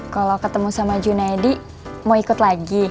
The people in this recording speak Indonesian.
kalau ketemu sama june eddy mau ikut lagi